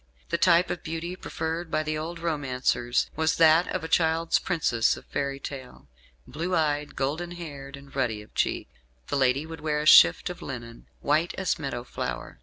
The type of beauty preferred by the old romancers was that of a child's princess of fairy tale blue eyed, golden haired, and ruddy of cheek. The lady would wear a shift of linen, "white as meadow flower."